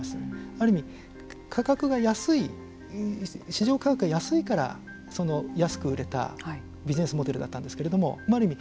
ある意味価格が安い市場価格が安いから安く売れたビジネスモデルだったんですけれどもある意味